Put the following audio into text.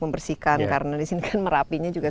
membersihkan karena disini kan merapinya juga